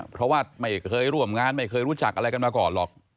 เพราะว่าไม่เคยร่วมงานไม่เคยรู้จักอะไรกันมาก่อนหรอก